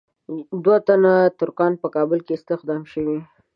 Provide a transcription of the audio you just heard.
دوه تنه ترکان په کابل کې استخدام شوي.